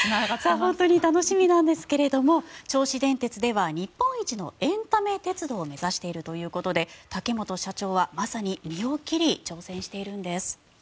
本当に楽しみなんですけれど銚子電鉄では日本一のエンタメ鉄道を目指しているということで竹本社長はまさに身を切り挑戦しているんです。